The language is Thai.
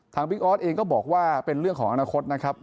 บิ๊กออสเองก็บอกว่าเป็นเรื่องของอนาคตนะครับ